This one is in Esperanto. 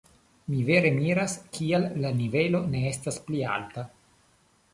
Mi vere miras, kial la nivelo ne estas pli alta.